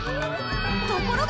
ところが！